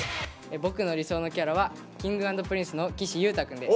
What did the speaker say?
「僕の理想のキャラ」はＫｉｎｇ＆Ｐｒｉｎｃｅの岸優太くんです。